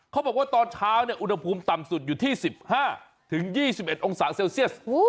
เขาบอกว่าตอนเช้าอุณหภูมิต่ำสุดอยู่ที่๑๕๒๑องศาเซลเซียส